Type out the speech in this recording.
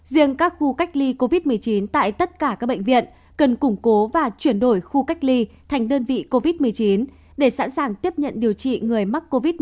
riêng các khu cách ly covid một mươi chín tại tất cả các bệnh viện cần củng cố và chuyển đổi khu cách ly thành đơn vị covid một mươi chín để sẵn sàng tiếp nhận điều trị người mắc covid một mươi chín